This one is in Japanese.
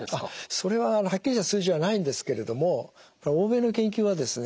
それははっきりとした数字はないんですけれども欧米の研究はですね